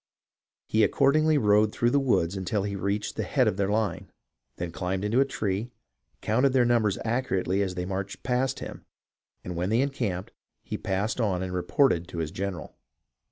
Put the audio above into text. He ac cordingly rode through the woods until he reached the head of their line ; then climbed into a tree, counted their numbers accurately as they marched past him, and when they encamped, he passed on and reported to his general."